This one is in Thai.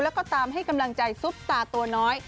แล้วก็ตามให้กำลังใจซุปตาตัวน้อย